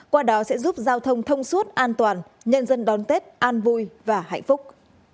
qua đó sẽ giúp giao thông thông suốt an toàn nhân dân đón tết an vui và hạnh phúc